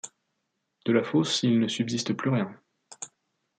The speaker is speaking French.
De la fosse, il ne subsiste plus rien.